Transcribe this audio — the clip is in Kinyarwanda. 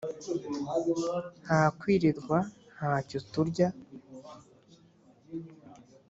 ntakwilirwa ntacyo turya!!!